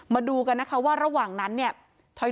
มาดูกันนะคะว่าระหว่างนั้นเนี่ย